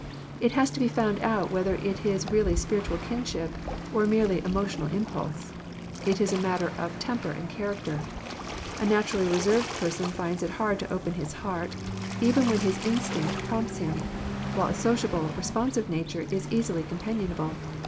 It has to be found out whether it is really spiritual kinship, or mere emotional impulse. It is a mat ter of temper and character. A naturally reserved person finds it hard to open his heart, even when his instinct prompts him ; while a sociable, responsive nature is easily companionable.